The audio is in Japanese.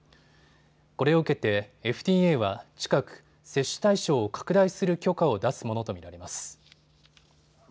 これを受けてＦＤＡは近く、接種対象を拡大する許可を出すものと見られます。